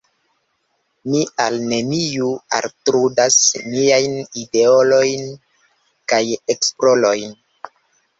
Ni al neniu altrudas niajn idealoin kaj esperojn.